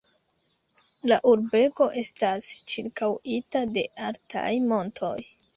La urbego estas ĉirkaŭita de altaj montoj.